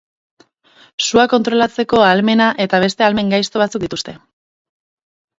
Sua kontrolatzeko ahalmena eta beste ahalmen gaizto batzuk dituzte.